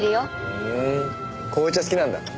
ふん紅茶好きなんだ。